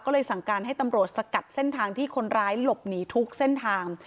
ก็เลยสั่งการให้ตำรวจสกัดเส้นทางที่คนร้ายหลบหนีทุกเส้นทาง